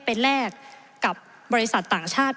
เป็นแรกกับบริษัทต่างชาติ